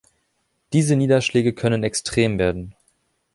Diese Niederschläge können extrem werden.